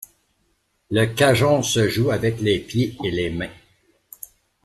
Le cajón se joue avec les pieds et les mains.